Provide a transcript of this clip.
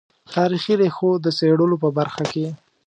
تاریخي ریښو د څېړلو په برخه کې.